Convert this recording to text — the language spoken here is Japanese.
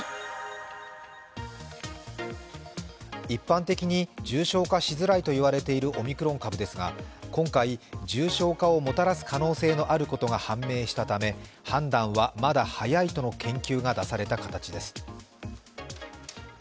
一般的に重症化しづらいといわれているオミクロン株ですが今回時重症化をもたらす可能性のあることが判明したため判断はまだ早いとの研究が出された形です。